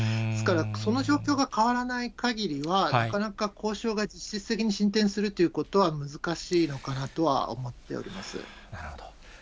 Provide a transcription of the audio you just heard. ですからその状況が変わらないかぎりは、なかなか交渉が実質的に進展するということは難しいのかなとは思なるほど。